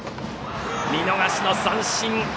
見逃しの三振！